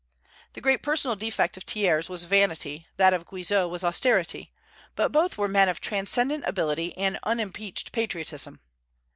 The great personal defect of Thiers was vanity; that of Guizot was austerity: but both were men of transcendent ability and unimpeached patriotism.